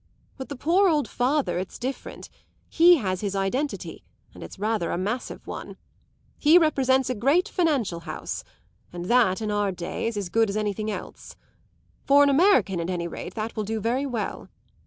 With the poor old father it's different; he has his identity, and it's rather a massive one. He represents a great financial house, and that, in our day, is as good as anything else. For an American, at any rate, that will do very well.